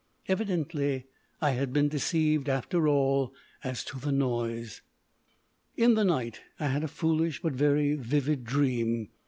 Evidently I had been deceived after all as to the noise. In the night I had a foolish but very vivid dream.